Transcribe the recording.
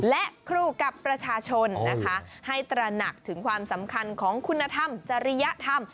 และครูกับประชาชนนะคะให้ตระหนักถึงความสำคัญของคุณธรรมจริยธรรม